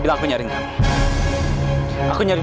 aksan kok dia ada di sini